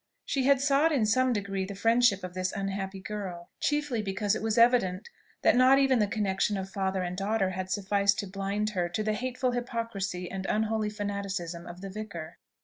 She had sought in some degree the friendship of this unhappy girl, chiefly because it was evident that not even the connexion of father and daughter had sufficed to blind her to the hateful hypocrisy and unholy fanaticism of the vicar.